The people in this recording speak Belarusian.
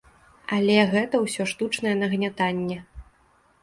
Але гэта ўсё штучнае нагнятанне.